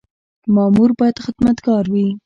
مامور باید خدمتګار وي